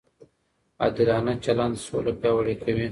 عادلانه چلند سوله پیاوړې کوي.